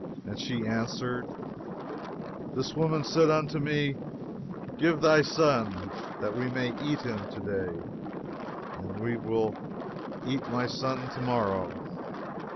and she answered, This woman said unto me, Give thy son, that we may eat him to day, and we will eat my son to morrow.